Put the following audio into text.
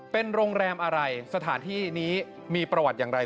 เป็นโรงแรมอะไรสถานที่นี้มีประวัติอย่างไร